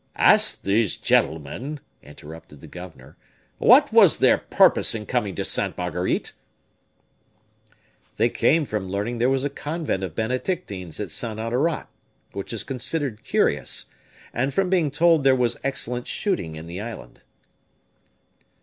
"Ask these gentlemen," interrupted the governor, "what was their purpose in coming to Saint Marguerite?" "They came from learning there was a convent of Benedictines at Sainte Honnorat which is considered curious; and from being told there was excellent shooting in the island."